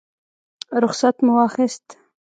رخصت مو واخیست.